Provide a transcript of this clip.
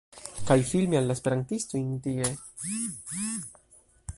kaj filmi al la esperantistojn tie